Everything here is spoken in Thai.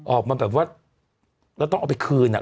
ออกมาแบบว่าแล้วต้องเอาไปคืนอ่ะ